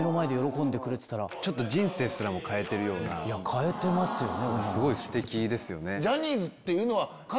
変えてますよね。